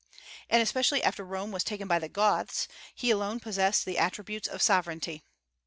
And especially after Rome was taken by the Goths, he alone possessed the attributes of sovereignty.